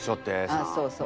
ああそうそう。